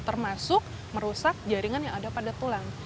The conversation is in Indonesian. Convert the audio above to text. termasuk merusak jaringan yang ada pada tulang